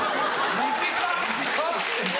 短っ！